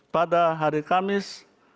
pada hari kamis